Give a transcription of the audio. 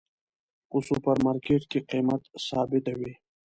په سوپر مرکیټ کې قیمت ثابته وی